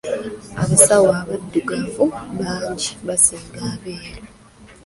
Abasawo abaddugavu bangi basinga abeeru.